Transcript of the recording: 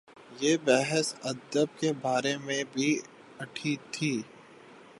یہ بحث ادب کے بارے میں بھی اٹھی تھی۔